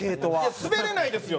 滑れないですよ